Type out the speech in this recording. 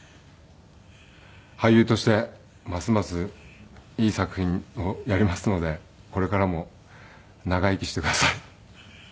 俳優としてますますいい作品をやりますのでこれからも長生きしてください。